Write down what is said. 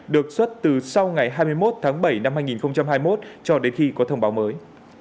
được xuất từ sau ngày hai mươi một tháng bảy năm hai nghìn hai mươi một cho đến khi có thông báo mới